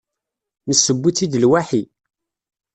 Nesseww-itt-id lwaḥi.